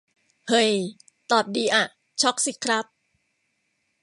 เห่ย ตอบดีอะ ช็อกสิครับ